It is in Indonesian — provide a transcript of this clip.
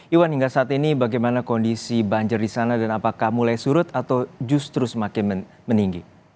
iwan hingga saat ini bagaimana kondisi banjir di sana dan apakah mulai surut atau justru semakin meninggi